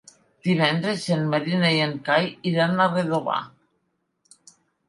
Divendres en Maria i en Cai iran a Redovà.